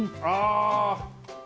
ああ。